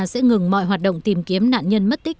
sẽ ngừng mọi hoạt động tìm kiếm nạn nhân mất tích